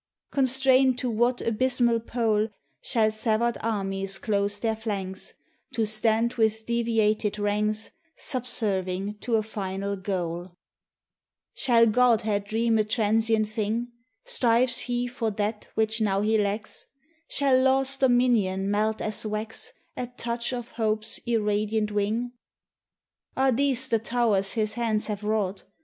Constrained to what abysmal pole Shall severed armies close their flanks To stand with deviated ranks, Subserving to a final goal? 58 THE TESTIMONY OF THE SUNS. Shall Godhead dream a transient thing? Strives He for that which now he lacks? Shall Law's dominion melt as wax At touch of Hope's irradiant wing? Are these the towers His hands have wrought?